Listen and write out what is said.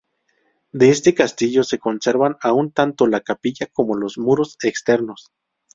De este castillo se conservan aún tanto la capilla como los muros externos.